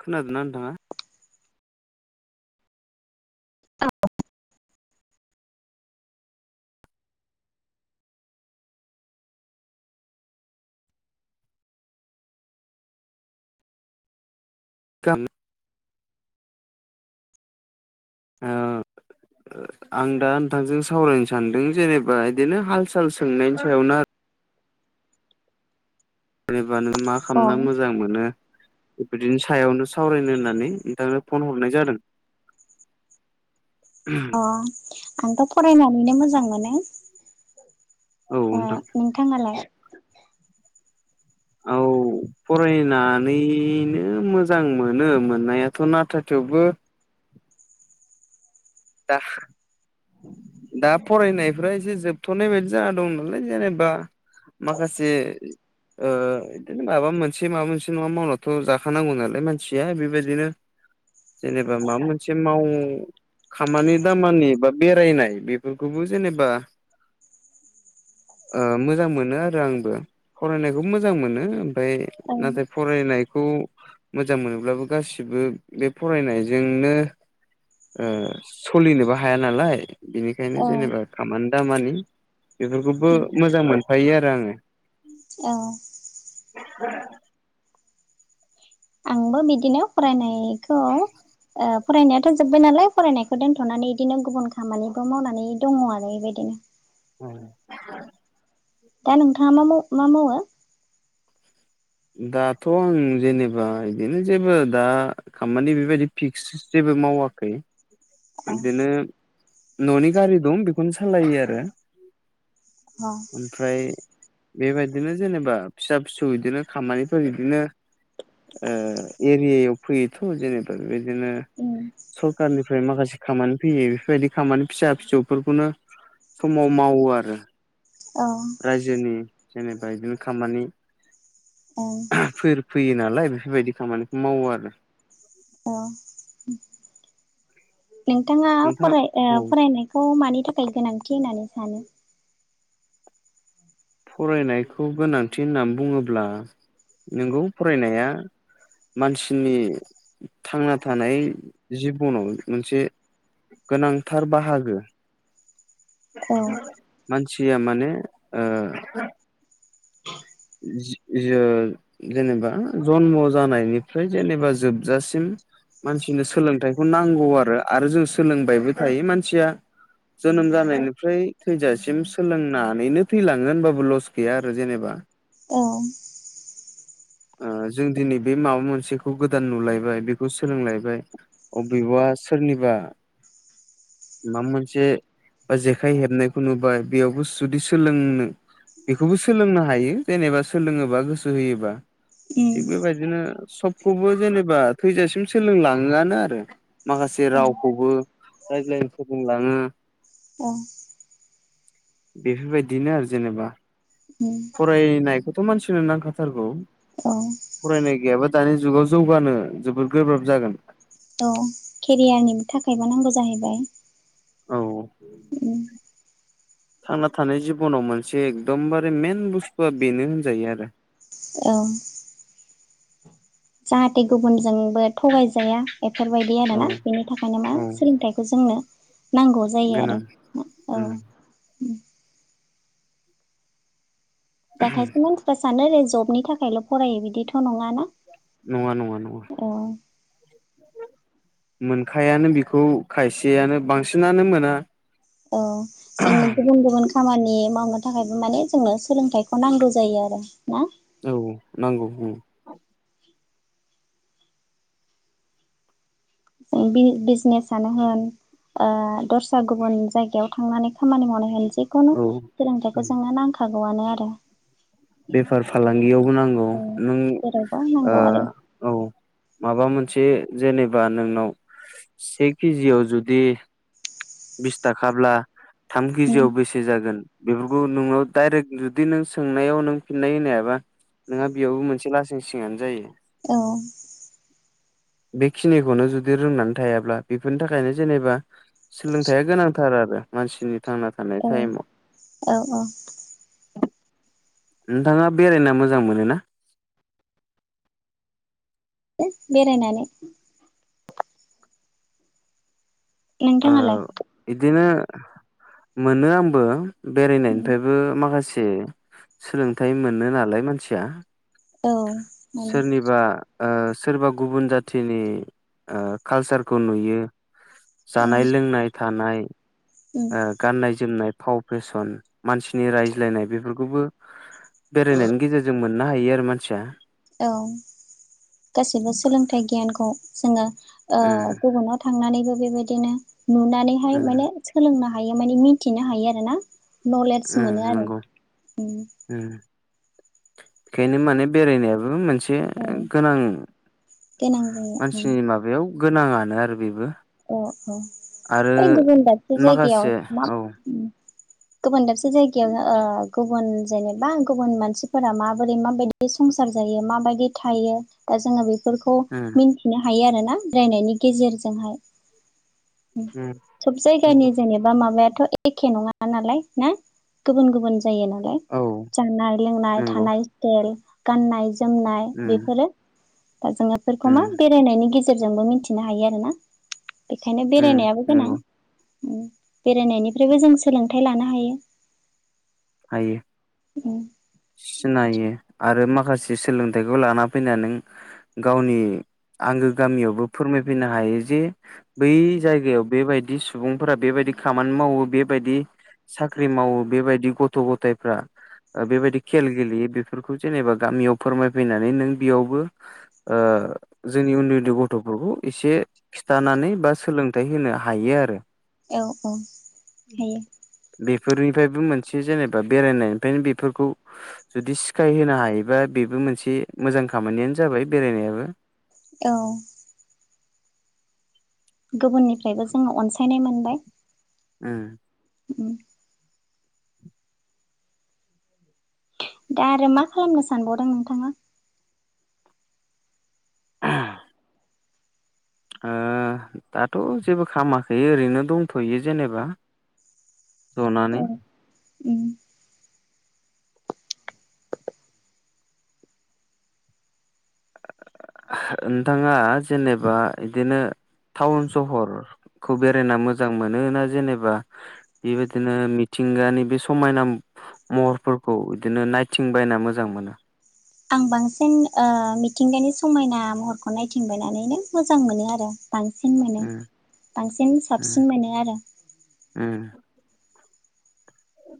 खोनादोंना नोथाङा औ खाम आ आं दा नोंथांजों सावरायनो सान्दों जेनेबा बिदिनो हाल साल सोंनायनि सायावनो आरो जेनेबा नों मा अ खालामना मोजां मोनो बिदिनो सायावनो सावरायनो होननानै नोंथांनो फन हरनाय जादों उ अ आंथ' फरायनानैनो मोजां मोनो औ नोंथां नोंथाङालाय आ फरायनानैनो मोजां मोनो मोननायाथ' नाथा थेवबो दा दा फरायनायफ्रा एसे जोबथ'नाय बायदि जाना दं नालाय जेनेबा माखासे बिदिनो माबा मोनसे माबा मोनसे नङा मावनाथ' जाखानांगौ नालाय मानसिया बेबायदिनो जेनेबा माबा मोनसे माव खामानि दामानि बा बेरायनाय बेफोरखौबो जेनेबा मोजां मोनो आरो आंबो फरायनायखौ मोजां मोनो ओमफ्राय औ नाथाय फरायनायखौ मोजां मोनोब्लाबो गासिबो बे फरायनायजोंनो सलिनोबो हाया नालाय बिनिखायनो औ जेनेबा खामानि दामानि बेफोरखौबो मोजां मोनफायो आरो आङो औ [inaudible] आंबो बिदिनो फरायनायखौ फरायनायाथ' जोब्बाय नालाय फरायनायखौ दोनथ'नानै बिदिनो गुबुन खामानिबो मावनानै दङ आरो बेबायदिनो औ दा नोंथाङा मा मा मावो? दाथ' आं जेनेबा बिदिनो जेबो दा खामानि बेबायदि फिक्स जेबो मावाखै अ बिदिनो न'नि गारि दं बेखौनो सालायो आरो अ ओमफ्राय बेबायदिनो जेनेबा फिसा फिसौ बिदिनो खामानिफोर बिदिनो ओ एरियायाव फैयोथ' जेनेबा बिदिनो उम सरखारनिफ्राय माखासे खामानि फैयो बेफोरबायदि खामानि फिसा फिसौफोरखौनो समाव मावो आरो औ रायजोनि जेनेबा बिदिनो खामानि औ फोर फैयो नालाय बेफोरबायदि खामानिखौ मावो आरो अ नोंथाङा नोंथां फराय औ ओ फरायनाय [unintelligible] मानि थाखाय गोनांथि होननानै सानो फरायनायखौ गोनांथि होननानै बुङोब्ला नोंगौ फरायनाया मानसिनि थांना थानाय जिबनाव मोनसे गोनांथार बाहागो औ मानसिया मानो ओ [inaudible] जेनेबा जन्म जानायनिफ्राय जेनेबा जोबजासिम मानसिनो सोलोंथाइखौ नांगौ आरो आरो जों सोलोंबायबो थायो मानसिया जोनोम जानायनिफ्राय थैजासिम सोलोंनानैनो थैलाङो होनबाबो लस गैया आरो जेनेबा औ ओ जों दिनै बे माबा मोनसेखौ गोदान नुलायबाय बेखौ सोलोंलायबाय अबेबा सोरनिबा माबा मोनसे बा जेखाइ हेबनायखौनो बा बेयावबो जुदि सोलोंनो बेखौबो सोलोंनो हायो जेनेबा सोलोङोबा गोसो होयोबा उम थिग बेबायदि बिदिनो सबखौबो जेनेबा थैजासिम सोलोंलाङानो आरो माखासे औ रावखौबो रायज्लायनो फोरोलोंलाङो ओं बेफोरबायदिनो आरो जेनेबा उम फरायनायखौथ' मानसिनो नांखाथारगौ औ फरायनाय गैयाबा दानि जुगाव जौगानो जोबोद गोब्राब जागोन औ केरियारनि थाखायबो नांगौ जाहैबाय औ थांना थानाय जिब'नाव मोनसे एकदमबारे मेन बुस्थुआ बेनो होनजायो आरो औ जाहाथे गुबुनजोंबो थगायजाया बेफोरबायदि औ आरोना बेनि थाखायनो मा औ सोलोंथाइखौ जोंनो नांगौ जायो आरो गोनां औ उम दा खायसे मानसिफ्रा सानो आरो जबनि थाखायल' फरायो बिदिथ' थ' नङाना नङा नङा नङा औ मोनखायानो बिखौ खायसेयानो बांसिनानो मोना औ जोङो गुबुन गुबुन खामानि मावनो थाखायबो माने जोंनो सोलोंथाइखौ नांगौ जायो आरो ना औ नांगौ उम ज बिजनेसनो होन ओ दस्रा गुबुन जायगायाव थांनानै खामानि मावनाय होनसै जिखुनु औ सोलोंरोंथाइखौ उम जोंनो नांखागौआनो आरो बेफार फालांगियावबो नांगौ ओ नों जेरावबो नांगौ आरो ओ औ माबा मोनसे जेनेबा नोंनाव से केजियाव जुदि बिस थाखाब्ला थाम उम केजियाव बेसे जागोन बेफोरखौ नोंनाव दडाइरेक्ट जुदि नों सोंनायाव नों फिननाय होनो हायाबा नोंहा बेयावबो मोनसे लासिं सिङानो जायो औ बेखिनिखौनो जुदि रोंनानै थायाब्ला बेफोरनि थाखायनो जेनेबा सोलोंथायाइया गोनांथार आरो मानसिनि थांना थानाय औ टाइमाव औ औ नोंथाङा बेरायना मोजां मोनो ना बेरायनानै नोंथाङालाय बिदिनो मोनो आंबो बेरायनायनिफ्रायबो माखासे सोलोंथाइ मोनो नालाय मानसिया औ माने सोरनिबा ओ सोरबा गुबुन जाथिनि ओ कालसारखौ नुयो औ जानाय लोंनाय थानाय उम ओ गाननाय जोमनाय फाव फेसन मानसिनि रायज्लायनाय बेफोरखौबो बेरायनायनि गेजेरजों मोननो हायो आरो मानसिया औ गासिबो सोलोंथाइ गियानखौ जोङो ओ उम गुबुनाव थांनानैबो बेबायदिनो नुनानैहाय उम माने सोलोंनो हायो माने मिथिनो हायो आरो ना नलेज उम मोनो आरो नंगौ उम बेखायनो माने बेरायनायाबो मोनसे औ गोनां गोनां जायो उम मानसिनि माबायाव गोनाङानो आरो बेबो औ औ आरो बै गुबुन दाबसे जायगायाव माखासे मा औ उम गुबुन दाबसे जायगायावनो गुबुन जेनेबा गुबुन मानसिफोरा माबोरै माबायदि संसार जायो माबायदि थायो दा जोङो बे बेफोरखौ उम मिन्थिनो हायो आरो ना बेरायनायनि गेजेरजोंहाय उम सब उम जायगानि जेने बा माबायाथ' एखे नङा नालाय ना गुबुन गुबुन जायो नालाय औ जानाय लोंनाय नंगौ थानाय स्टाइल गाननाय जोमनाय उम बेफोरो दा जेंनाफोरखौ मा उम बेरायनायनि गेजेरजोंबो मिन्थिनो हायो आरो ना बेखायनो उम बेरायनायाबो गोनां नंगौ बेरायनायनिफ्रायबो जों सोलोंथाइ लानो हायो हायो हायो सिनायो आरो माखासे सोलोंथाइखौ लाना फैनानै नों गावनि आंगो गामियावबो फोरमायफैनो हायो जे बै जायगायाव बेबायदि सुबुंफोरा बेबायदि खामानि मावो बेबायदि साख्रि मावो बेबायदि गथ' गथायाइफ्रा बेबायदि खेल गेलेयो बेफोरखौ जेनेबा गामियाव फोरमायफैनानै नों बेयावबो ओ जोंनि उन्दै उन्दै गथ'फोरखौ एसे खिन्थानानै बा सोलोंथाइ होनो हायो आरो औ औ हायो बेफोरनिफ्रायबो मोनसे जेनेबा बेरायनायनिफ्रायनो बेफोरखौ जुदि सिखाय होनो हायोबा बेबो मोनसे मोजां खामानियानो जाबाय बेरायनायाबो। औ गुबुननिफ्रायबो जोङो अनसायनाय मोनबाय। उम उम दा आरो मा खालामनो सानबावदों नोंथाङा? दाथ' जेबो खालामामाखै ओरैनो दंथ'यो जेनेबा। औ जनानै उम नोंथाङा जेनेबा बिदिनो टाउन सहर खौ बेरायना मोजां मोन ना जेनेबा बेबायदििनो मिथिंगानि बे समायना महरफोरखौ बिदिनो नायथिं बायना मोजां मोनो। आं बांसिन ओ मिथिंगानि समायना महरखौ नायथिंबायनानैनो मोजां मोनो आरो। बांसिन मोनो उम बांसिन उम साबसिन मोनो आरो। उम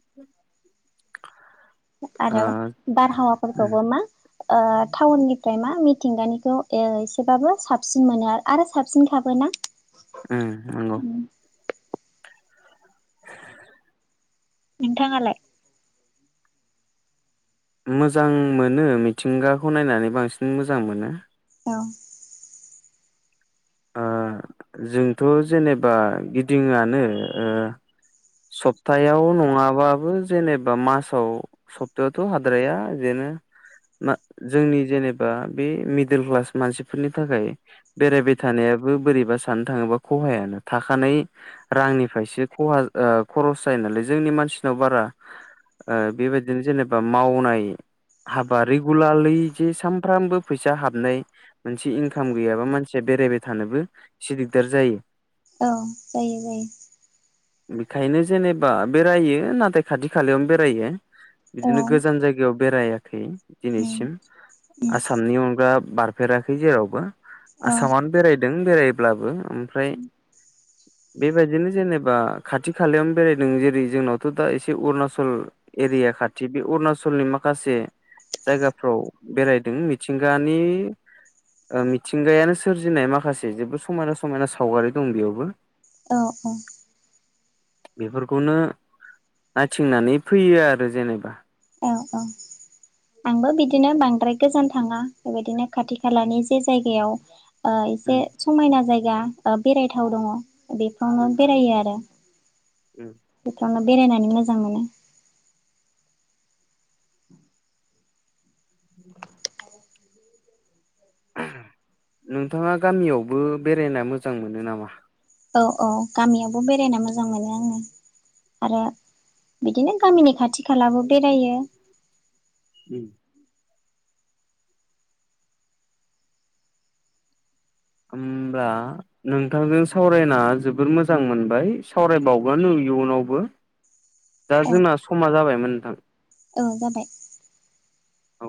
[inaudible] आरो ओ उम बारहावाफोरखौबो मा? टाउननिफ्राय मा मिथिंगानिखौ एसेबाबो साबसिन मोनो आरो आरो साबसिनखाबोना? उम नंगौ नोंथाङालाय? मोजां मोनो मिथिंगाखौ नायनानै बांसिन मोजां मोनो। औ ओ जोंथ' जेनेबा गिदिङानो ओ सप्तायाव नङाबाबो जेनेबा मासाव सप्तायावथ' हाद्राया बेनो जोंनि जेनेबा बे मिडल क्लास मानसिफोरनि थाखाय बेरायबाय थानायाबो बोरैबा साननो थाङोबा खहायानो थाखानाय रांनिफ्रायसो खहा खरस जायो नालाय जोंनि मानसिनाव बारा ओ बेबायदिनो जेनेबा मावनाय हाबा रेगुलारलि जे सानफ्रामबो फैसा हाबनाय मोनसे इनकाम गैयाबा मानसिया बेरायबाय थानोबो एसे दिगदार जायो। औ जायो जायो बेखायनो जेनेबा बेरायो नाथाय खाथि खालायावनो बेरायो। बिदिनो औ गोजान जायगायाव बेरायाखै उम दिनैसिम उम आसामनि अनगा बार फेराखै जेरावबो औ आसामनो बेरायदों बेरायब्लाबो ओमफ्राय बेबायदिनो जेनेबा खाथि खालायावनो बेरायदों जेरै जोंनावथ' दा एसे अरुणाचल एरिया खाथि बे अरुणाचलनि माखासे जायगाफ्राव बेरायदों मिथिंगानि मिथिंगायानो सोरजिनाय माखासे जेबो समायना समायना सावगारि दं बेयावबो। औ औ बेफोरखौनो नायथिंनानै फैयो आरो जेनेबा। औ औ आंबो बिदिनो बांद्राय गोजान थाङा बेबायदिनो खाथि खालानि जे जायगायाव ओ एसे उम समायना जायगा बेरायथाव दङ बेफोरावनो बेरायो आरो बेफोरावनो बेरायनानै मोजां मोनो। नोंथाङा गामियावबो बेरायना मोजां मोनो नामा? औ औ गामियावबो बेरायना मोजां मोनो आङो। आरो बिदिनो गामिनि खाथि खालाबो बेरायो। उम होमबा नोंथांजों सावरायना जोबोर मोजां मोनबाय सावरायबावगोन इयुनावबो दा औ जोंना समा जाबायमोन नोंथां औ जाबाय औ